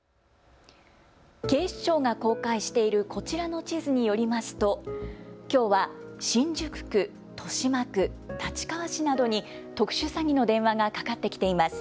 警視庁が公開しているこちらの地図によりますときょうは新宿区、豊島区、立川市などに特殊詐欺の電話がかかってきています。